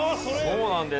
そうなんです。